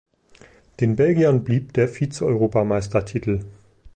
Den Belgiern blieb der Vizeeuropameistertitel.